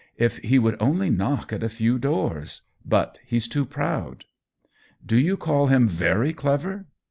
If he would only knock at a few doors ! But he's too proud." " Do you call him very clever